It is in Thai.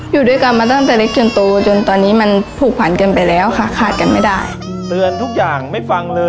อยู่ด้วยกันมาตั้งแต่เล็กจนตัวจนตอนนี้มันผูกผ่านกันไปแล้วค่ะขาดกันไม่ได้